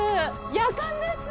やかんです。